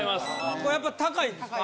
これやっぱり高いんですか？